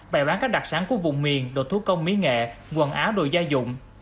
bài bán các đặc sản của vùng miền đồ thuốc công mỹ nghệ quần áo đồ gia dụng